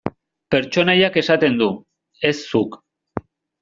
Pertsonaiak esaten du, ez zuk.